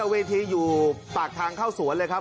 เวทีอยู่ปากทางเข้าสวนเลยครับ